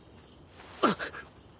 あっ。